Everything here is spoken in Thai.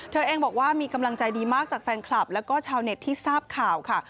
เธอเองบอกว่ามีกำลังใจดีมากจากแฟนคลับแล้วก็ชาวเน็ตที่ทราบข่าวค่ะ